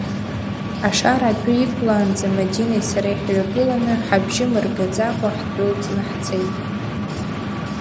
Ашара адәы иқәлаанӡа Мадинеи сареи ҳҩагыланы, ҳабжьы мыргаӡакәа ҳдәылҵны ҳцеит.